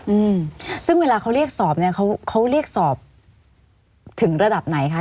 อืมซึ่งเวลาเขาเรียกสอบเนี้ยเขาเขาเรียกสอบถึงระดับไหนคะ